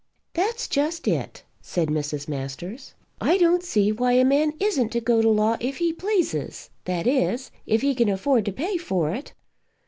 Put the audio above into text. "That's just it," said Mrs. Masters. "I don't see why a man isn't to go to law if he pleases that is, if he can afford to pay for it.